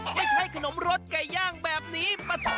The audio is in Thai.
ไม่ใช่ขนมรสไก่ย่างแบบนี้ปะทะ